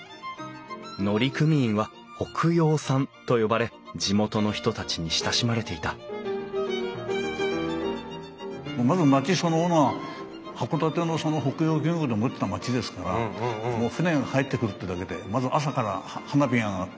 乗組員は「北洋さん」と呼ばれ地元の人たちに親しまれていたまず町そのものが函館のその北洋漁業でもってた町ですからもう船が入ってくるってだけでまず朝から花火が上がったり。